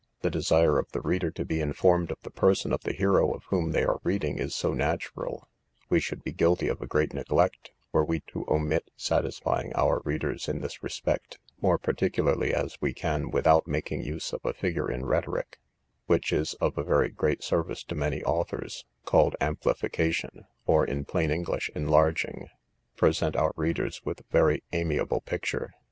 The desire of the reader to be informed of the person of the hero of whom they are reading is so natural, we should be guilty of a great neglect, were we to omit satisfying our readers in this respect, more particularly as we can, without making use of a figure in rhetoric, (which is of very great service to many authors,) called amplification; or, in plain English, enlarging, present our readers with a very amiable picture.